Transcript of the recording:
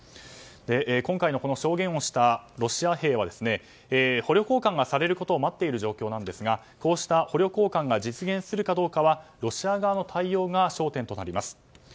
今回の証言をしたロシア兵は捕虜交換がされることを待っている状況なんですがこうした捕虜交換が実現するかどうかはロシア側の対応が焦点となります。